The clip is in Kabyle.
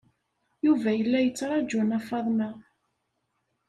Yuba yella yettraǧu Nna Faḍma.